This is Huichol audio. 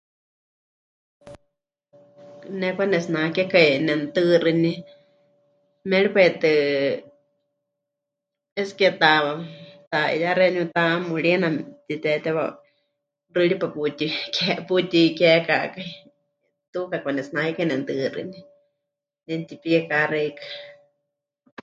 Ne kwanetsinakekai nemɨtɨɨxɨni. Méripai tɨ es que ta... ta... 'iyá xeeníu tamuriina mɨtitetewa xɨripa putíke... putikeekakai, tuuka kwanetsinakekai nemɨtɨɨxɨ́ni, nemɨtipiiká xeikɨ́a.